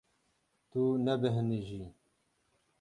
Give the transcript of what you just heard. Tu nebêhnijî.